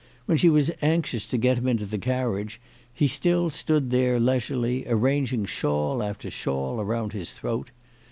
When she was anxious to get him out into the carriage, he still stood there leisurely, arranging shawl after shawl around his throat.